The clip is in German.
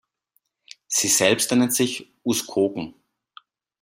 Sie selbst nennen sich Uskoken.